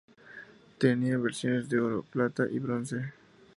Tenia versiones de oro, plata y bronce.